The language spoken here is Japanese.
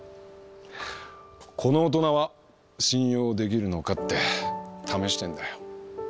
この大人は信用できるのかって試してんだよ。